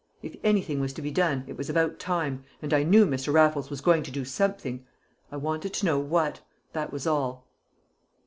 If anything was to be done, it was about time, and I knew Mr. Raffles was going to do something. I wanted to know what that was all."